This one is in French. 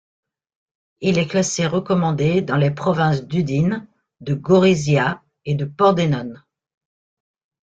Il est classé recommandé dans les provinces d'Udine, deGorizia et de Pordenone.